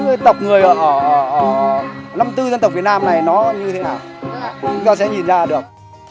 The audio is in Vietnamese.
cái những tộc người ở năm tư dân tộc việt nam này nó như thế nào người ta sẽ nhìn ra được